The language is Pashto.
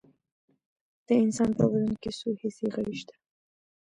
د انسان په بدن کې څو حسي غړي شته